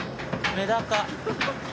メダカ。